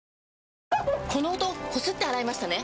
この音こすって洗いましたね？